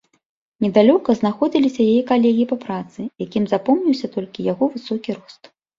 Недалёка знаходзіліся яе калегі па працы, якім запомніўся толькі яго высокі рост.